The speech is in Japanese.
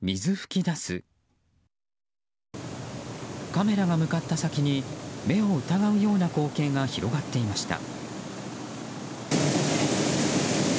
カメラが向かった先に目を疑うような光景が広がっていました。